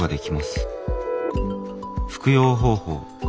服用方法。